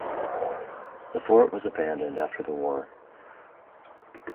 The fort was abandoned after the war.